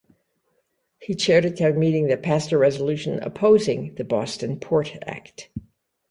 He chaired a town meeting that passed a resolution opposing the Boston Port Act.